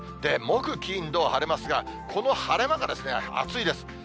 木、金、土、晴れますが、この晴れ間が暑いです。